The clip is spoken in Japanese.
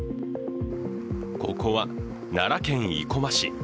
ここは奈良県生駒市。